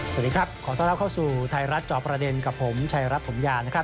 สวัสดีครับขอต้อนรับเข้าสู่ไทยรัฐจอบประเด็นกับผมชายรัฐถมยานะครับ